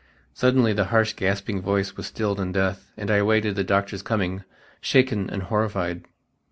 Suddenly the harsh gasping voice was stilled in death and I awaited the doctor's coming shaken and horrified.